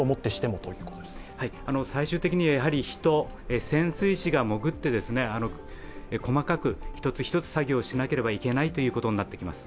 最終的には人、潜水士が潜って細かく一つ一つ作業しなければいけないということになってきます。